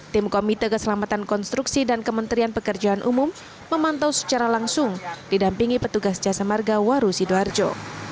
tim komite keselamatan konstruksi dan kementerian pekerjaan umum memantau secara langsung didampingi petugas jasa marga waru sidoarjo